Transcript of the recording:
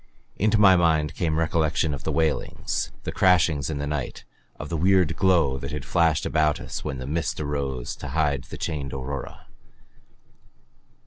Into my mind came recollection of the wailings, the crashings in the night, of the weird glow that had flashed about us when the mist arose to hide the chained aurora.